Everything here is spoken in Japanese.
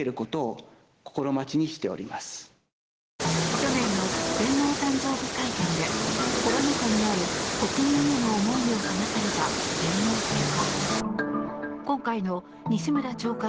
去年の天皇誕生日会見でコロナ禍にある国民への思いを話された天皇陛下。